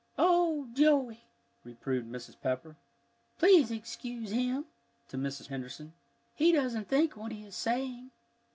"Oh, Joey!" reproved Mrs. Pepper. "Please excuse him," to Mrs. Henderson, "he doesn't think what he is saying."